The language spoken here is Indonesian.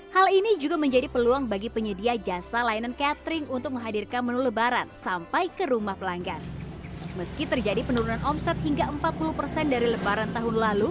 yang menerima pesanan tinggal lebih dari seratus porsi paket ketupat lebaran